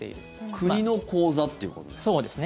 国の口座ということですか？